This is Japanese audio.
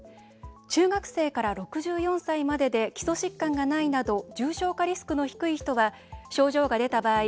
中学生から６４歳までで基礎疾患がないなど重症化リスクの低い人は症状が出た場合